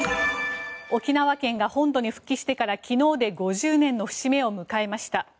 沖縄県が本土に復帰してから昨日で５０年の節目を迎えました。